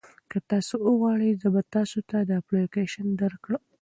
که تاسي وغواړئ زه به تاسي ته دا اپلیکیشن درکړم.